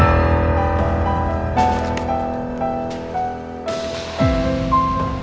apaan quindi kamu maueté ngucus